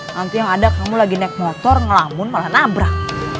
nanti yang ada kamu lagi naik motor ngelamun malah nabrak